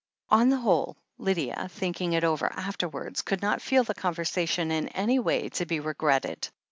..." On the whole, Lydia, thinking it over afterwards, could not feel the conversation in any way to be re gretted.